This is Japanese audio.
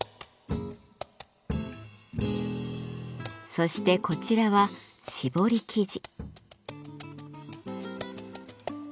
そしてこちらは絞り生地。